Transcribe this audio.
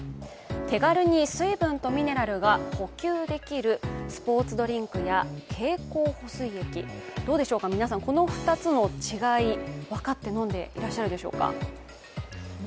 手軽に水分とミネラルが補給できるスポーツドリンクや経口補水液、どうですか、皆さん、この２つの違い、分かって飲んでらっしゃるでしょうか。